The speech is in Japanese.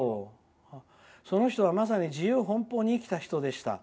その人はまさに自由奔放に生きた人でした。